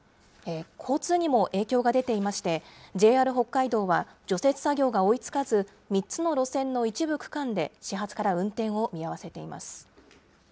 交通にも影響が出ていまして、ＪＲ北海道は除雪作業が追いつかず、３つの路線の一部区間で始発から運転を見合わせています。